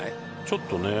ちょっとね。